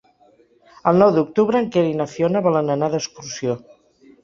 El nou d'octubre en Quer i na Fiona volen anar d'excursió.